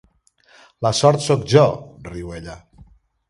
La sort sóc jo —riu ella.